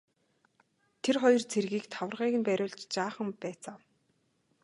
Тэр хоёр цэргийг тарвагыг нь бариулж жаахан байцаав.